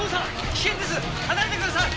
危険です離れてください！